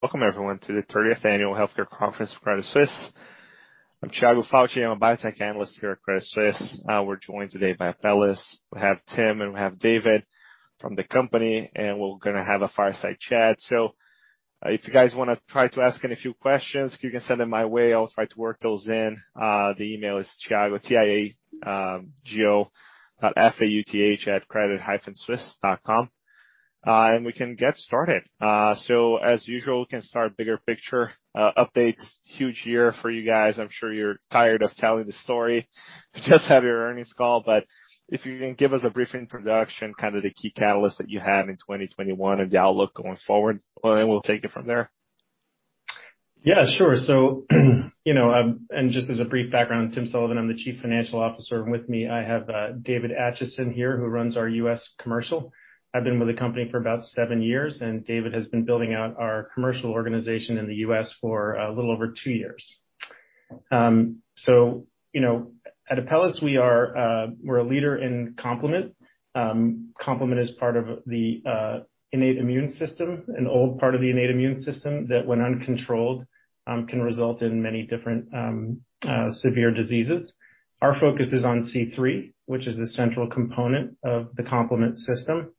Welcome everyone to the 30th Annual Credit Suisse Healthcare Conference. I'm Tiago Fauth, a Biotech Analyst here at Credit Suisse. We're joined today by Apellis. We have Tim and David from the company, and we're gonna have a fireside chat. If you guys wanna try to ask any few questions, if you can send them my way, I'll try to work those in. The email is Tiago, T-I-A-G-O.F-A-U-T-H@credit-suisse.com. We can get started. As usual, we can start bigger picture updates. Huge year for you guys. I'm sure you're tired of telling the story. You just had your earnings call, but if you can give us a brief introduction, kind of the key catalysts that you have in 2021 and the outlook going forward, and we'll take it from there. Yeah, sure. Just as a brief background, Tim Sullivan, I'm the Chief Financial Officer, and with me I have David Acheson here, who runs our U.S. commercial. I've been with the company for about seven years, and David has been building out our commercial organization in the U.S. for a little over two years. You know, at Apellis we are a leader in complement. Complement is part of the innate immune system, an old part of the innate immune system that when uncontrolled can result in many different severe diseases. Our focus is on C3, which is the central component of the complement system.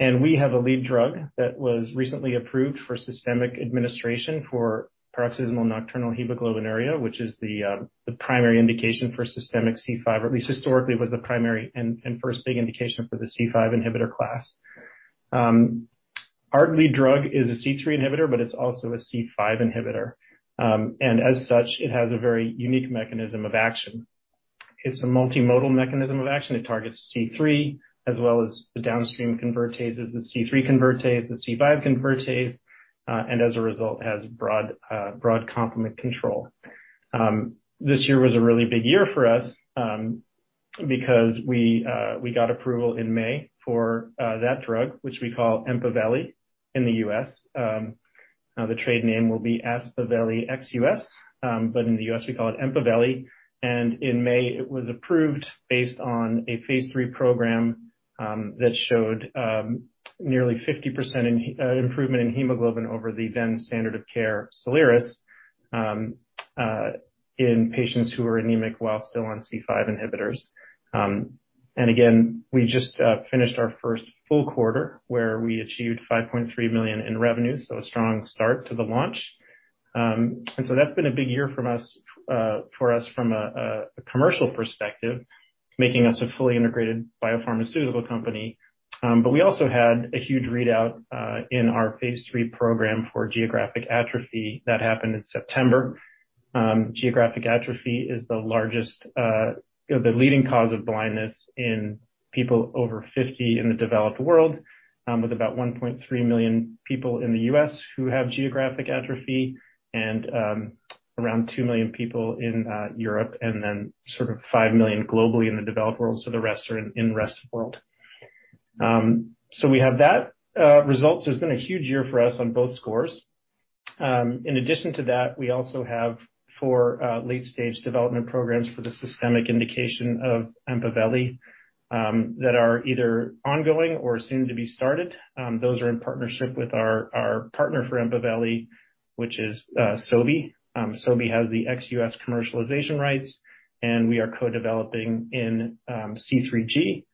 We have a lead drug that was recently approved for systemic administration for paroxysmal nocturnal hemoglobinuria, which is the primary indication for systemic C5. At least historically, it was the primary and first big indication for the C5 inhibitor class. Our lead drug is a C3 inhibitor, but it's also a C5 inhibitor. As such, it has a very unique mechanism of action. It's a multimodal mechanism of action. It targets C3 as well as the downstream convertases, the C3 convertase, the C5 convertase, and as a result, has broad complement control. This year was a really big year for us, because we got approval in May for that drug, which we call EMPAVELI in the U.S. The trade name will be Aspaveli ex-U.S., but in the U.S. we call it EMPAVELI. In May, it was approved based on a phase III program that showed nearly 50% improvement in hemoglobin over the then standard of care, Soliris, in patients who were anemic while still on C5 inhibitors. We just finished our first full quarter, where we achieved $5.3 million in revenue, so a strong start to the launch. That's been a big year for us from a commercial perspective, making us a fully integrated biopharmaceutical company. We also had a huge readout in our phase III program for geographic atrophy. That happened in September. Geographic atrophy is the leading cause of blindness in people over 50 in the developed world, with about 1.3 million people in the U.S. who have geographic atrophy and around 2 million people in Europe, and then sort of 5 million globally in the developed world. The rest are in the rest of the world. We have those results. It's been a huge year for us on both scores. In addition to that, we also have four late-stage development programs for the systemic indication of EMPAVELI that are either ongoing or soon to be started. Those are in partnership with our partner for EMPAVELI, which is Sobi. Sobi has the ex-U.S. commercialization rights, and we are co-developing in C3G,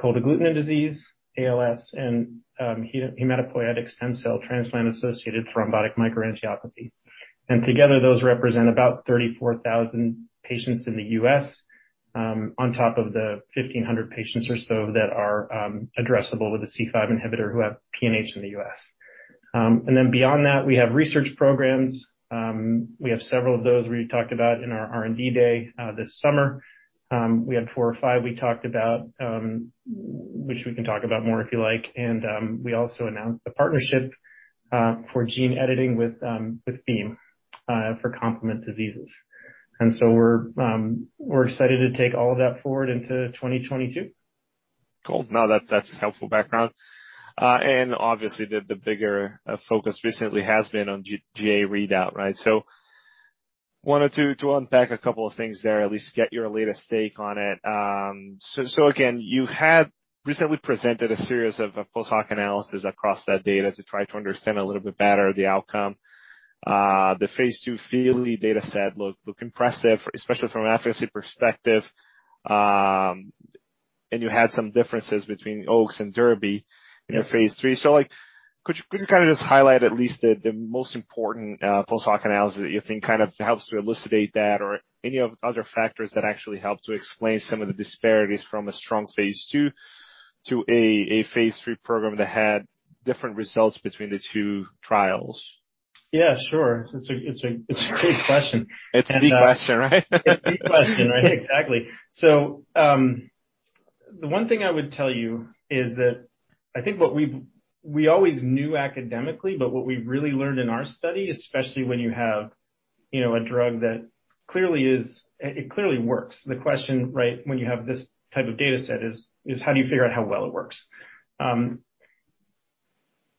cold agglutinin disease, ALS, and hematopoietic stem cell transplantation-associated thrombotic microangiopathy. Together, those represent about 34,000 patients in the U.S., on top of the 1,500 patients or so that are addressable with a C5 inhibitor who have PNH in the U.S.. Then beyond that, we have research programs. We have several of those we talked about in our R&D Day this summer. We had four or five we talked about, which we can talk about more if you like. We also announced a partnership for gene editing with Beam for complement diseases. We're excited to take all of that forward into 2022. Cool. No, that's helpful background. Obviously the bigger focus recently has been on GA readout, right? Wanted to unpack a couple of things there, at least get your latest take on it. Again, you had recently presented a series of post-hoc analysis across that data to try to understand a little bit better the outcome. The phase II FILLY data set looked impressive, especially from an efficacy perspective. You had some differences between OAKS and DERBY- Yeah. In your phase III. Like, could you kinda just highlight at least the most important post-hoc analysis that you think kind of helps to elucidate that or any other factors that actually help to explain some of the disparities from a strong phase II to a phase III program that had different results between the two trials? Yeah, sure. It's a great question. It's the question, right? The question, right. Exactly. The one thing I would tell you is that I think what we always knew academically, but what we've really learned in our study, especially when you have, you know, a drug that clearly works. The question, right, when you have this type of data set is how do you figure out how well it works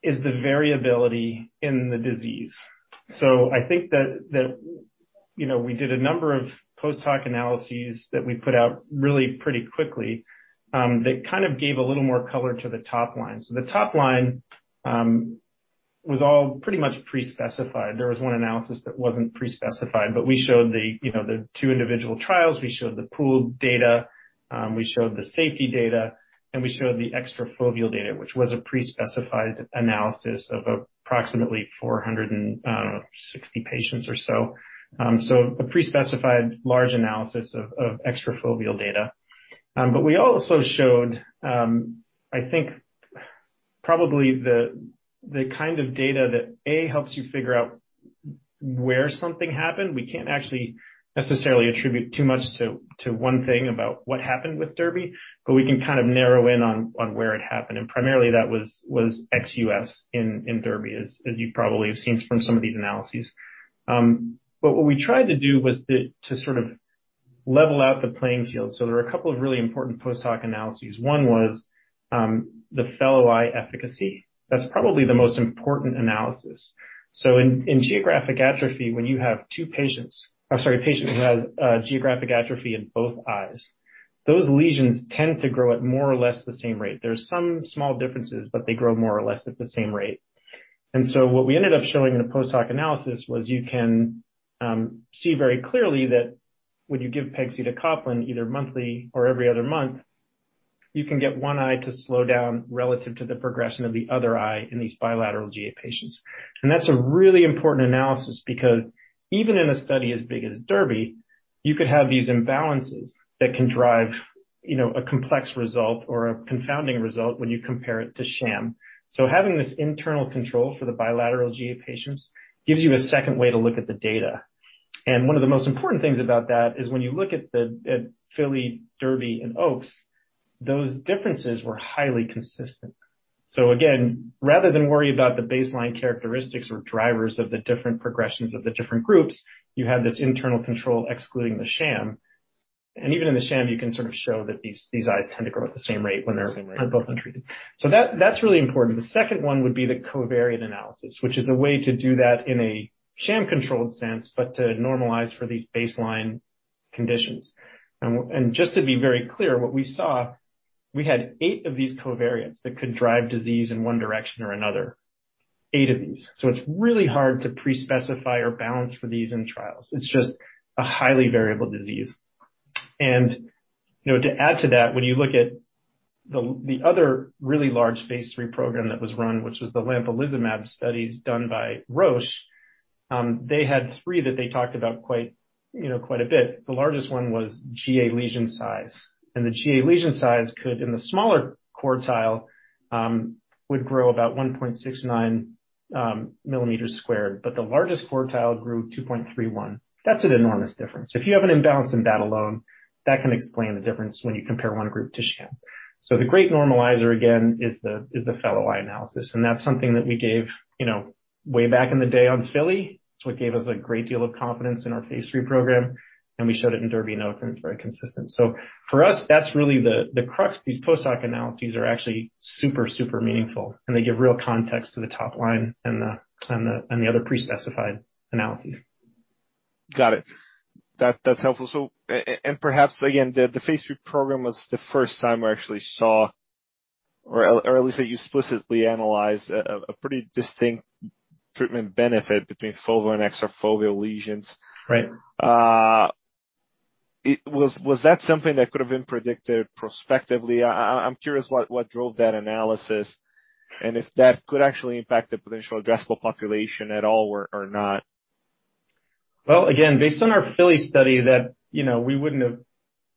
is the variability in the disease. I think that, you know, we did a number of post hoc analyses that we put out really pretty quickly, that kind of gave a little more color to the top line. The top line was all pretty much pre-specified. There was one analysis that wasn't pre-specified, but we showed the, you know, the two individual trials. We showed the pooled data, we showed the safety data, and we showed the extrafoveal data, which was a pre-specified analysis of approximately 460 patients or so, a pre-specified large analysis of extrafoveal data. But we also showed, I think probably the kind of data that helps you figure out where something happened. We can't actually necessarily attribute too much to one thing about what happened with DERBY, but we can kind of narrow in on where it happened. Primarily that was ex-US in DERBY, as you probably have seen from some of these analyses. But what we tried to do was to sort of level out the playing field. There were a couple of really important post hoc analyses. One was the fellow eye efficacy. That's probably the most important analysis. In geographic atrophy, when you have a patient who has geographic atrophy in both eyes, those lesions tend to grow at more or less the same rate. There's some small differences, but they grow more or less at the same rate. What we ended up showing in a post hoc analysis was you can see very clearly that when you give pegcetacoplan either monthly or every other month, you can get one eye to slow down relative to the progression of the other eye in these bilateral GA patients. That's a really important analysis because even in a study as big as DERBY, you could have these imbalances that can drive, you know, a complex result or a confounding result when you compare it to sham. Having this internal control for the bilateral GA patients gives you a second way to look at the data. One of the most important things about that is when you look at FILLY, DERBY and OAKS, those differences were highly consistent. Again, rather than worry about the baseline characteristics or drivers of the different progressions of the different groups, you have this internal control excluding the sham. Even in the sham, you can sort of show that these eyes tend to grow at the same rate when they're both untreated. That's really important. The second one would be the covariate analysis, which is a way to do that in a sham-controlled sense, but to normalize for these baseline conditions. Just to be very clear, what we saw, we had eight of these covariates that could drive disease in one direction or another. Eight of these. It's really hard to pre-specify or balance for these in trials. It's just a highly variable disease. You know, to add to that, when you look at the other really large phase III program that was run, which was the lampalizumab studies done by Roche, they had three that they talked about quite, you know, quite a bit. The largest one was GA lesion size, and the GA lesion size could, in the smaller quartile, would grow about 1.69 sq mm, but the largest quartile grew 2.31 sq mm. That's an enormous difference. If you have an imbalance in that alone, that can explain the difference when you compare one group to sham. The great normalizer, again, is the fellow eye analysis, and that's something that we gave, you know, way back in the day on FILLY. It's what gave us a great deal of confidence in our phase III program, and we showed it in DERBY and OAKS, and it's very consistent. For us, that's really the crux. These post hoc analyses are actually super meaningful, and they give real context to the top line and the other pre-specified analyses. Got it. That's helpful. And perhaps again, the phase III program was the first time we actually saw or at least that you explicitly analyzed a pretty distinct treatment benefit between foveal and extrafoveal lesions. Right. Was that something that could have been predicted prospectively? I'm curious what drove that analysis and if that could actually impact the potential addressable population at all or not. Well, again, based on our FILLY study that, you know, we wouldn't have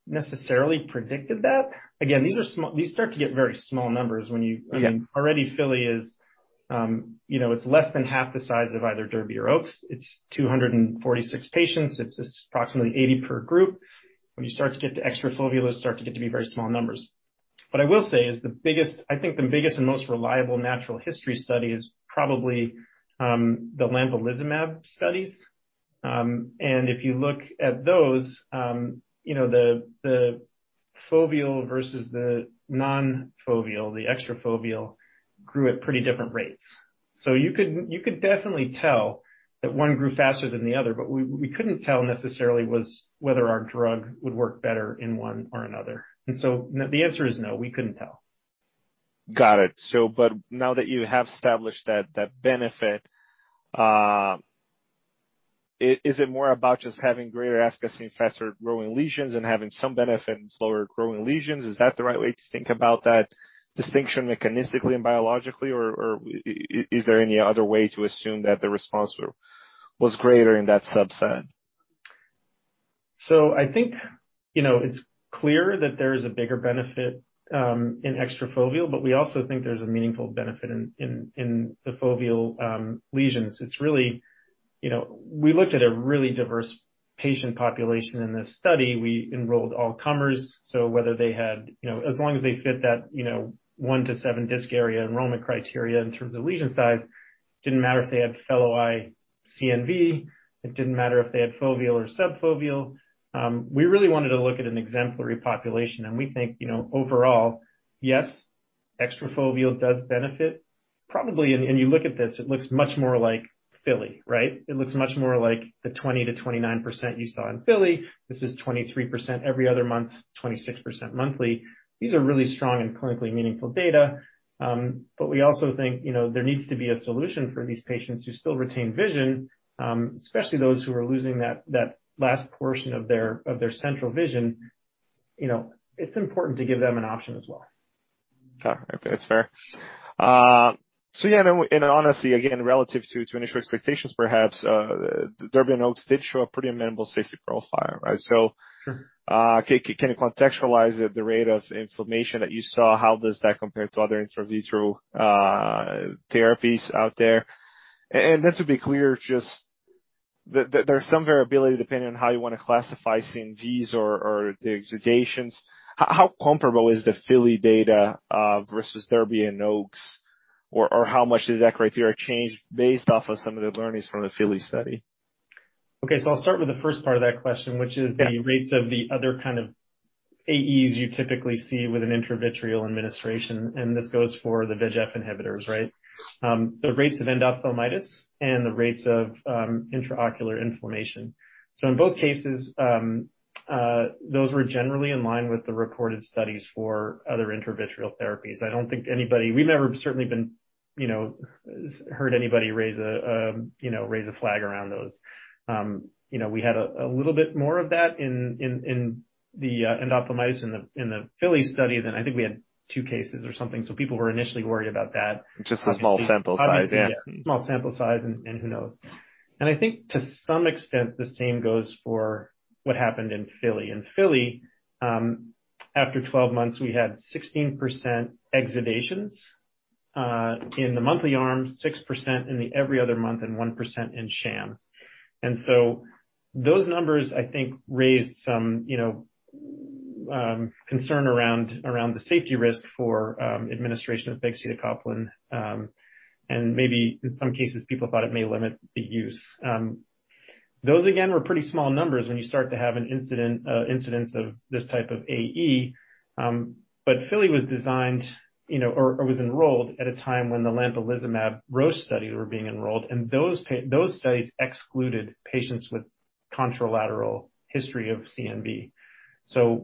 necessarily predicted that. Again, these are small, these start to get very small numbers when you- Yeah. I mean, already FILLY is, you know, it's less than half the size of either DERBY or OAKS. It's 246 patients. It's approximately 80 per group. When you start to get to extrafoveal, the numbers start to be very small. What I will say is, I think, the biggest and most reliable natural history study is probably the lampalizumab studies. If you look at those, you know, the foveal versus the nonfoveal, the extrafoveal grew at pretty different rates. You could definitely tell that one grew faster than the other, but we couldn't tell necessarily whether our drug would work better in one or another. The answer is no, we couldn't tell. Got it. Now that you have established that benefit, is it more about just having greater efficacy in faster-growing lesions and having some benefit in slower-growing lesions? Is that the right way to think about that distinction mechanistically and biologically? Or is there any other way to assume that the response was greater in that subset? I think, you know, it's clear that there is a bigger benefit in extrafoveal, but we also think there's a meaningful benefit in the foveal lesions. It's really. You know, we looked at a really diverse patient population in this study. We enrolled all comers. Whether they had, you know, as long as they fit that, you know, one to seven disc area enrollment criteria in terms of lesion size, didn't matter if they had fellow eye CNV. It didn't matter if they had foveal or subfoveal. We really wanted to look at an exemplary population, and we think, you know, overall, yes, extrafoveal does benefit probably. You look at this, it looks much more like FILLY, right? It looks much more like the 20%-29% you saw in FILLY. This is 23% every other month, 26% monthly. These are really strong and clinically meaningful data. We also think, you know, there needs to be a solution for these patients who still retain vision, especially those who are losing that last portion of their central vision. You know, it's important to give them an option as well. Okay. That's fair. Yeah, and honestly, again, relative to initial expectations perhaps, DERBY and OAKS did show a pretty amenable safety profile, right? Sure. Can you contextualize the rate of inflammation that you saw? How does that compare to other intravitreal therapies out there? And just to be clear, just there's some variability depending on how you want to classify CNVs or the exudations. How comparable is the FILLY data versus DERBY and OAKS? Or how much does that criteria change based off of some of the learnings from the FILLY study? Okay. I'll start with the first part of that question, which is the rates of the other kind of AEs you typically see with an intravitreal administration, and this goes for the VEGF inhibitors, right? The rates of endophthalmitis and the rates of intraocular inflammation. In both cases, those were generally in line with the reported studies for other intravitreal therapies. I don't think anybody. We've never certainly been, you know, heard anybody raise a flag around those. You know, we had a little bit more of that in the endophthalmitis in the FILLY study than I think we had two cases or something, so people were initially worried about that. Just the small sample size, yeah. Small sample size and who knows. I think to some extent, the same goes for what happened in FILLY. In FILLY, after 12 months, we had 16% exudation in the monthly arms, 6% in the every other month, and 1% in sham. Those numbers, I think, raised some, you know, concern around the safety risk for administration of pegcetacoplan, and maybe in some cases, people thought it may limit the use. Those again, were pretty small numbers when you start to have an incidence of this type of AE, but FILLY was designed, you know, or was enrolled at a time when the lampalizumab Roche study were being enrolled, and those studies excluded patients with contralateral history of CNV.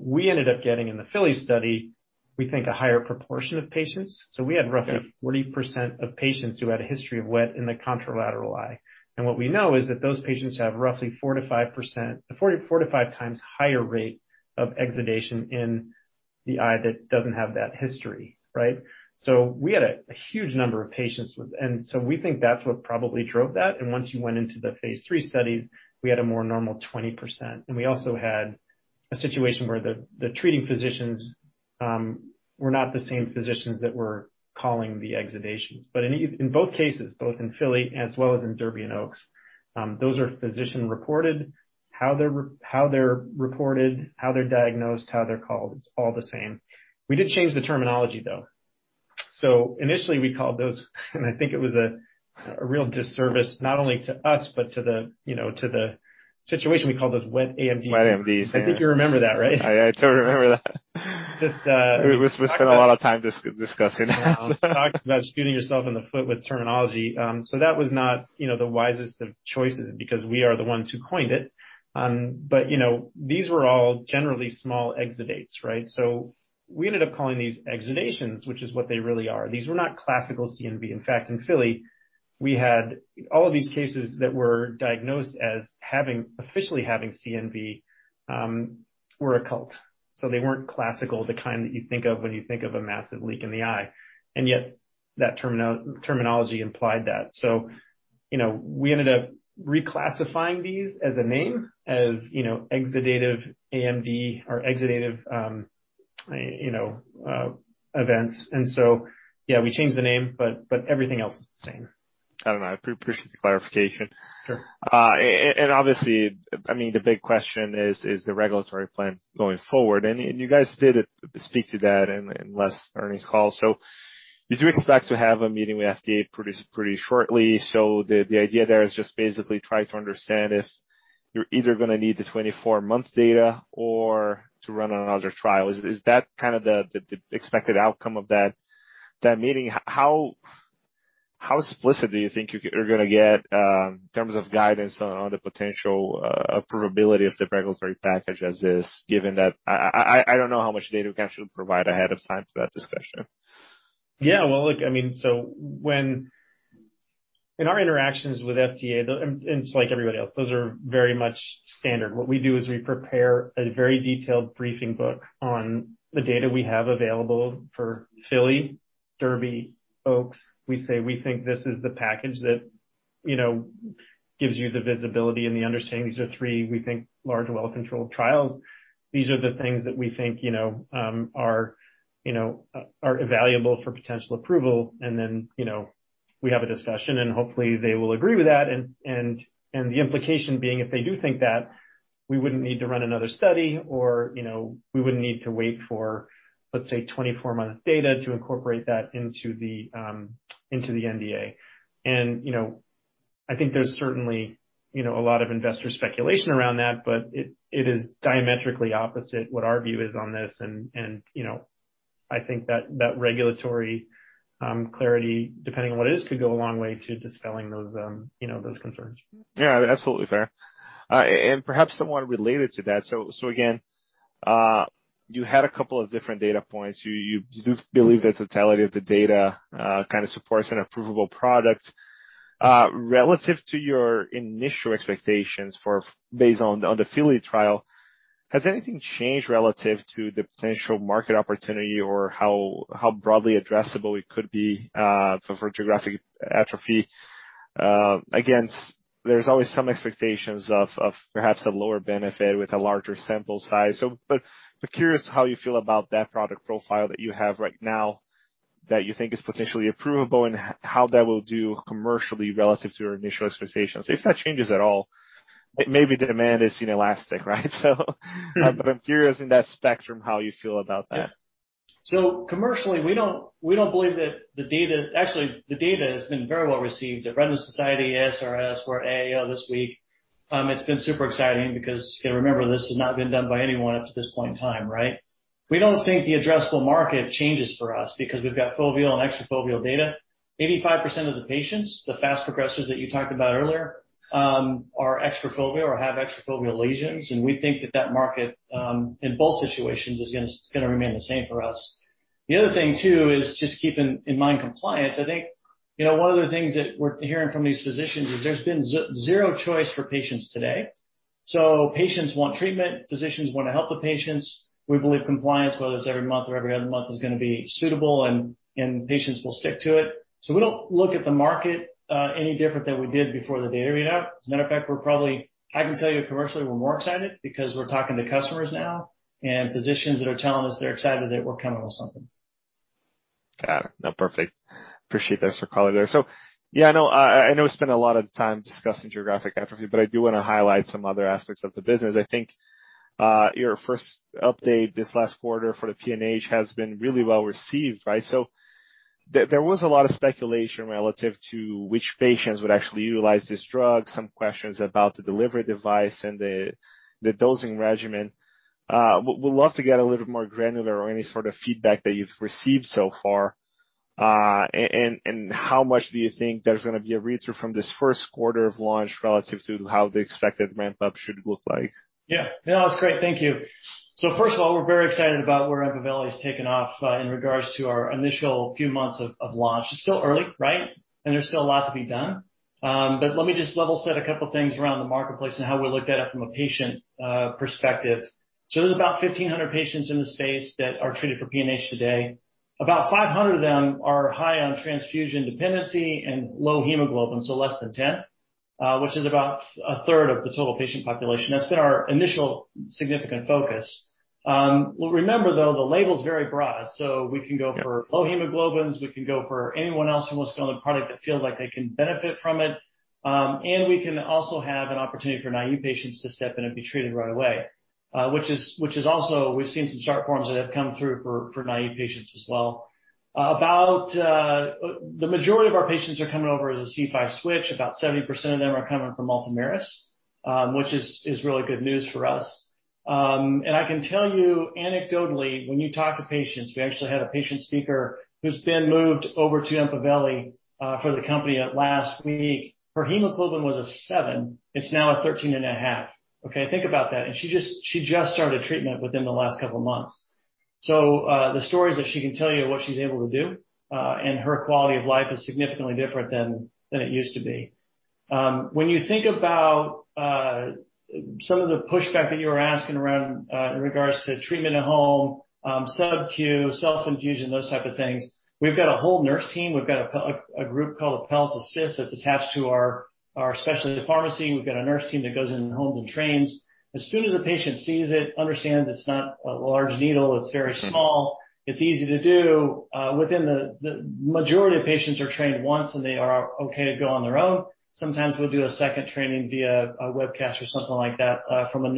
We ended up getting in the FILLY study, we think, a higher proportion of patients. We had roughly 40% of patients who had a history of wet in the contralateral eye. What we know is that those patients have roughly 4x-5x higher rate of exudation in the eye that doesn't have that history, right? We had a huge number of patients, and we think that's what probably drove that. Once you went into the phase III studies, we had a more normal 20%. We also had a situation where the treating physicians were not the same physicians that were calling the exudations. In both cases, both in FILLY as well as in DERBY and OAKS, those are physician-reported, how they're reported, how they're diagnosed, how they're called, it's all the same. We did change the terminology, though. Initially, we called those, and I think it was a real disservice not only to us, but to the, you know, to the situation, we called those wet AMD. wet AMD. I think you remember that, right? I totally remember that. Just, uh- We spent a lot of time discussing. Talked about shooting yourself in the foot with terminology. That was not, you know, the wisest of choices because we are the ones who coined it. You know, these were all generally small exudates, right? We ended up calling these exudations, which is what they really are. These were not classical CNV. In fact, in FILLY, we had all of these cases that were diagnosed as having officially CNV were occult, so they weren't classical, the kind that you think of when you think of a massive leak in the eye. Yet that terminology implied that. You know, we ended up reclassifying these as a name, as, you know, exudative AMD or exudative, events. Yeah, we changed the name, but everything else is the same. I don't know. I appreciate the clarification. Sure. Obviously, I mean, the big question is the regulatory plan going forward. You guys did speak to that in last earnings call. You do expect to have a meeting with FDA pretty shortly. The idea there is just basically try to understand if you're either gonna need the 24-month data or to run another trial. Is that kind of the expected outcome of that meeting? How explicit do you think you are gonna get in terms of guidance on the potential approvability of the regulatory package as is, given that I don't know how much data you can actually provide ahead of time for that discussion. Yeah. Well, look, I mean, in our interactions with FDA, and it's like everybody else, those are very much standard. What we do is we prepare a very detailed briefing book on the data we have available for FILLY, DERBY, OAKS. We say, we think this is the package that, you know, gives you the visibility and the understanding. These are three, we think, large well-controlled trials. These are the things that we think, you know, are valuable for potential approval. And then, you know, we have a discussion, and hopefully they will agree with that. And the implication being, if they do think that, we wouldn't need to run another study or, you know, we wouldn't need to wait for, let's say, 24-month data to incorporate that into the NDA. And, you know. I think there's certainly, you know, a lot of investor speculation around that, but it is diametrically opposite what our view is on this. You know, I think that regulatory clarity, depending on what it is, could go a long way to dispelling those, you know, those concerns. Yeah, absolutely fair. Perhaps somewhat related to that. Again, you had a couple of different data points. You do believe the totality of the data kind of supports an approvable product. Relative to your initial expectations for based on the FILLY trial, has anything changed relative to the potential market opportunity or how broadly addressable it could be for geographic atrophy? Again, there's always some expectations of perhaps a lower benefit with a larger sample size. Curious how you feel about that product profile that you have right now that you think is potentially approvable, and how that will do commercially relative to your initial expectations, if that changes at all. Maybe the demand is inelastic, right? I'm curious in that spectrum how you feel about that. Commercially, we don't believe that the data. Actually, the data has been very well received at The Retina Society, ASRS, or AAO this week. It's been super exciting because remember, this has not been done by anyone up to this point in time, right? We don't think the addressable market changes for us because we've got foveal and extrafoveal data. 85% of the patients, the fast progressors that you talked about earlier, are extrafoveal or have extrafoveal lesions. We think that market in both situations is gonna remain the same for us. The other thing too is just keeping in mind compliance. I think, you know, one of the things that we're hearing from these physicians is there's been zero choice for patients today. Patients want treatment, physicians want to help the patients. We believe compliance, whether it's every month or every other month, is going to be suitable, and patients will stick to it. We don't look at the market any different than we did before the data read out. As a matter of fact, I can tell you commercially, we're more excited because we're talking to customers now and physicians that are telling us they're excited that we're coming with something. Got it. No. Perfect. Appreciate those for color there. Yeah, I know we spent a lot of time discussing geographic atrophy, but I do want to highlight some other aspects of the business. I think your first update this last quarter for the PNH has been really well received, right? There was a lot of speculation relative to which patients would actually utilize this drug. Some questions about the delivery device and the dosing regimen. Would love to get a little more granular on any sort of feedback that you've received so far. And how much do you think there's gonna be a read through from this first quarter of launch relative to how the expected ramp up should look like? Yeah. No, that's great. Thank you. First of all, we're very excited about where EMPAVELI has taken off in regards to our initial few months of launch. It's still early, right? And there's still a lot to be done. Let me just level set a couple things around the marketplace and how we looked at it from a patient perspective. There's about 1,500 patients in the space that are treated for PNH today. About 500 of them are high on transfusion dependency and low hemoglobin, so less than 10, which is about a third of the total patient population. That's been our initial significant focus. Well, remember though, the label is very broad, so we can go for low hemoglobins, we can go for anyone else who wants to go on the product that feels like they can benefit from it, and we can also have an opportunity for naive patients to step in and be treated right away. Which is also we've seen some chart forms that have come through for naive patients as well. About the majority of our patients are coming over as a C5 switch. About 70% of them are coming from ULTOMIRIS, which is really good news for us. And I can tell you anecdotally when you talk to patients, we actually had a patient speaker who's been moved over to EMPAVELI for the company at last week. Her hemoglobin was a seven. It's now a 13.5. Okay, think about that. She just started treatment within the last couple of months. The stories that she can tell you what she's able to do, and her quality of life is significantly different than it used to be. When you think about some of the pushback that you were asking around in regards to treatment at home, sub-q, self-infusion, those type of things, we've got a whole nurse team. We've got a group called ApellisAssist that's attached to our specialty pharmacy. We've got a nurse team that goes into homes and trains. As soon as the patient sees it, understands it's not a large needle, it's very small, it's easy to do. Within the majority of patients are trained once and they are okay to go on their own. Sometimes we'll do a second training via a webcast or something like that, from the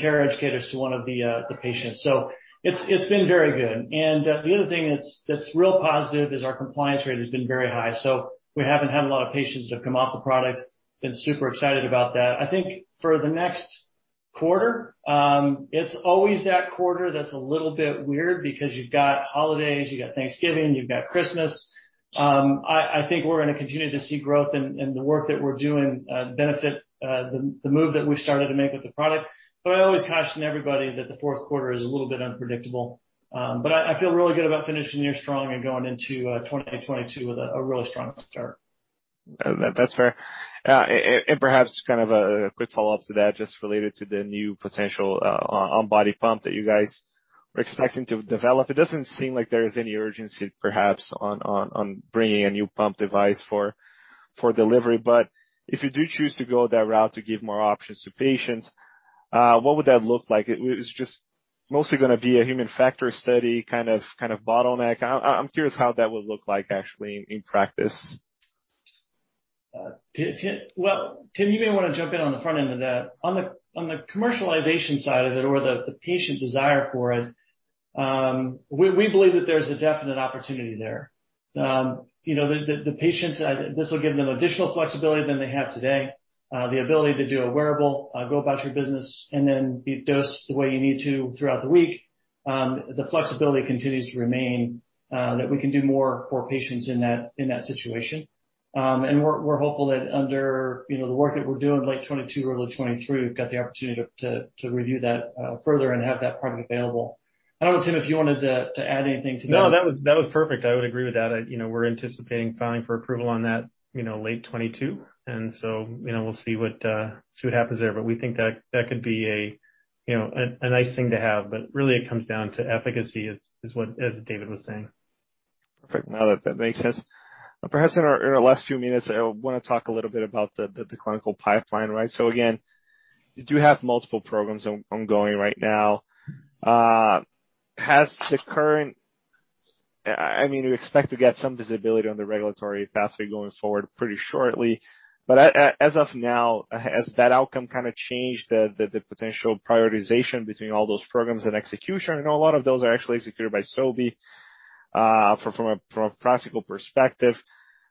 care educators to one of the patients. It's been very good. The other thing that's real positive is our compliance rate has been very high. We haven't had a lot of patients that have come off the product. We've been super excited about that. I think for the next quarter, it's always that quarter that's a little bit weird because you've got holidays, you've got Thanksgiving, you've got Christmas. I think we're gonna continue to see growth and the work that we're doing, the move that we've started to make with the product. I always caution everybody that the fourth quarter is a little bit unpredictable. I feel really good about finishing the year strong and going into 2022 with a really strong start. That's fair. Perhaps kind of a quick follow-up to that, just related to the new potential on body pump that you guys are expecting to develop. It doesn't seem like there is any urgency perhaps on bringing a new pump device for delivery. If you do choose to go that route to give more options to patients, what would that look like? It's just mostly gonna be a human factor study kind of bottleneck. I'm curious how that would look like actually in practice. Well, Tim, you may wanna jump in on the front end of that. On the commercialization side of it or the patient desire for it, we believe that there's a definite opportunity there. You know, the patients, this will give them additional flexibility than they have today, the ability to do a wearable, go about your business, and then be dosed the way you need to throughout the week. The flexibility continues to remain that we can do more for patients in that situation. We're hopeful that under the work that we're doing late 2022 or early 2023, we've got the opportunity to review that further and have that product available. I don't know, Tim, if you wanted to add anything to that. No, that was perfect. I would agree with that. You know, we're anticipating filing for approval on that, you know, late 2022. You know, we'll see what happens there. But we think that could be a, you know, a nice thing to have. But really it comes down to efficacy, as David was saying. Perfect. No, that makes sense. Perhaps in our last few minutes, I wanna talk a little bit about the clinical pipeline, right? Again, you do have multiple programs ongoing right now. Has the current I mean, you expect to get some visibility on the regulatory pathway going forward pretty shortly. As of now, has that outcome kinda changed the potential prioritization between all those programs and execution? I know a lot of those are actually executed by Sobi, from a practical perspective.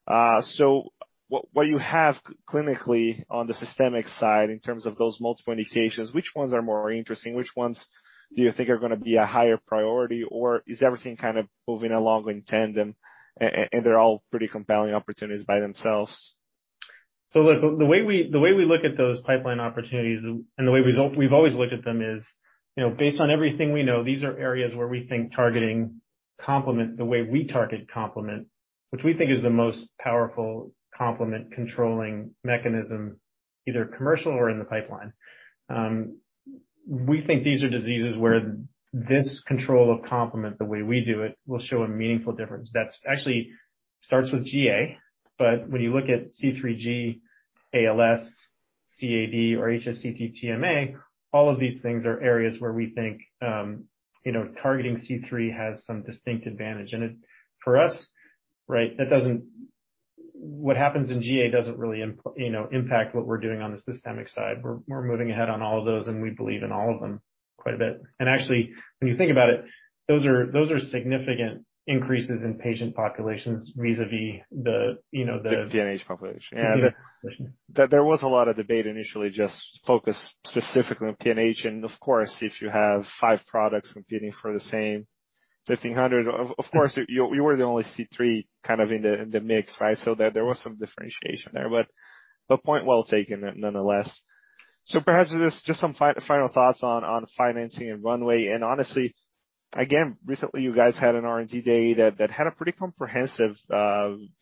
What you have clinically on the systemic side in terms of those multiple indications, which ones are more interesting? Which ones do you think are gonna be a higher priority? Or is everything kind of moving along in tandem and they're all pretty compelling opportunities by themselves? Look, the way we look at those pipeline opportunities and the way we've always looked at them is, you know, based on everything we know, these are areas where we think targeting complement, the way we target complement, which we think is the most powerful complement controlling mechanism, either commercial or in the pipeline, we think these are diseases where this control of complement, the way we do it, will show a meaningful difference. That actually starts with GA, but when you look at C3G, ALS, CAD or HSCT-TMA, all of these things are areas where we think, you know, targeting C3 has some distinct advantage. For us, right, what happens in GA doesn't really impact what we're doing on the systemic side. We're moving ahead on all of those, and we believe in all of them quite a bit. Actually, when you think about it, those are significant increases in patient populations vis-à-vis the, you know, the. The PNH population. PNH population. There was a lot of debate initially just focused specifically on PNH. Of course, if you have five products competing for the same 1,500, of course, you were the only C3 kind of in the mix, right? There was some differentiation there. Point well taken nonetheless. Perhaps just some final thoughts on financing and runway. Honestly, again, recently you guys had an R&D Day that had a pretty comprehensive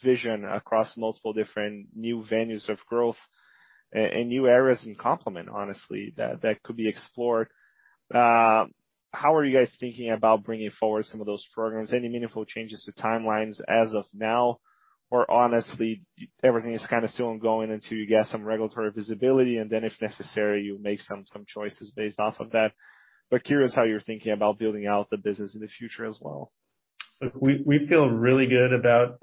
vision across multiple different new avenues of growth and new areas in complement, honestly, that could be explored. How are you guys thinking about bringing forward some of those programs? Any meaningful changes to timelines as of now? Honestly, everything is kinda still ongoing until you get some regulatory visibility, and then if necessary, you make some choices based off of that. Curious how you're thinking about building out the business in the future as well. Look, we feel really good about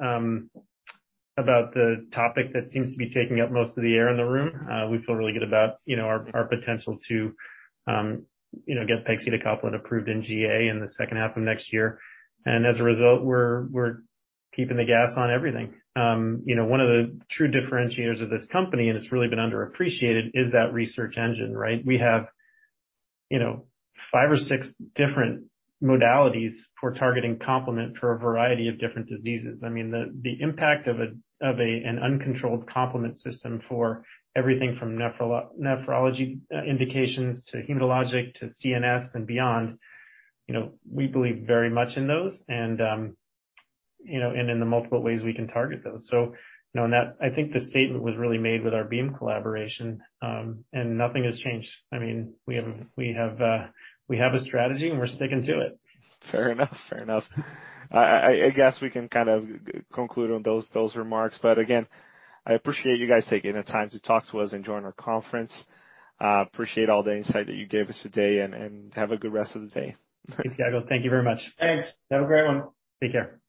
the topic that seems to be taking up most of the air in the room. We feel really good about, you know, our potential to, you know, get pegcetacoplan approved in GA in the second half of next year. As a result, we're keeping the gas on everything. You know, one of the true differentiators of this company, and it's really been underappreciated, is that research engine, right? We have, you know, five or six different modalities for targeting complement for a variety of different diseases. I mean, the impact of an uncontrolled complement system for everything from nephrology indications to hematologic to CNS and beyond, you know, we believe very much in those and, you know, and in the multiple ways we can target those. You know, and that I think the statement was really made with our Beam collaboration, and nothing has changed. I mean, we have a strategy and we're sticking to it. Fair enough. I guess we can kind of conclude on those remarks, but again, I appreciate you guys taking the time to talk to us and join our conference. Appreciate all the insight that you gave us today, and have a good rest of the day. Thanks, Tiago Fauth. Thank you very much. Thanks. Have a great one. Take care.